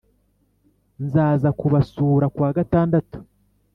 Nzaza kubasura kuwa gatandatu